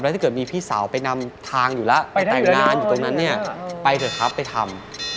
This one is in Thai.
ถ้าเกิดมีพี่สาวไปนำทางอยู่แล้วไปแต่งงานอยู่ตรงนั้นเนี่ยไปเถอะครับไปทำ